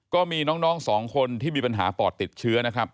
ก็มีน้องสองคนที่มีปัญหาปอดติดเชื้อนะครับ